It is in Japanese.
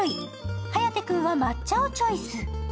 颯君は抹茶をチョイス。